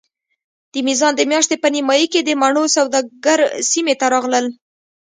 د میزان د میاشتې په نیمایي کې د مڼو سوداګر سیمې ته راغلل.